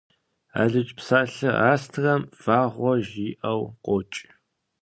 Алыдж псалъэ «астрэм» «вагъуэ» жиӏэу къокӏ.